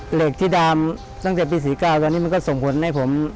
เหล็กที่ดามตั้งแต่ปีศรีกาวันนี้มันก็ส่งผลให้ผม